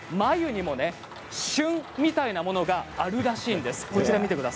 繭にも旬みたいなものがあるらしいんです。